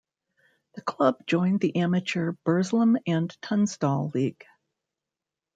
The club joined the amateur Burslem and Tunstall League.